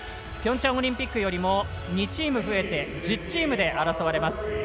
ピョンチャンオリンピックよりも２チーム増えて１０チームで争われます。